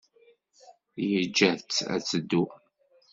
Yeǧǧa-tt ad teddu.